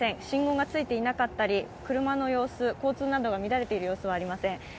信号がついていなかったり、車の様子、交通が乱れている様子などはありません。